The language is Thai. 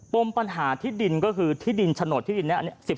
ปมปัญหาที่ดินก็คือที่ดินโฉนดที่ดินนี้